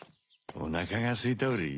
おなかがすいたウリ？